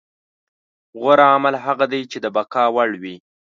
غوره عمل هغه دی چې د بقا وړ وي.